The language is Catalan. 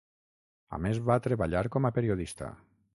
A més va treballar com a periodista.